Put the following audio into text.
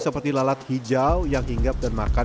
seperti lalat hijau yang hinggap dan makan